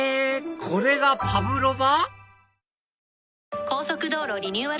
これがパブロバ？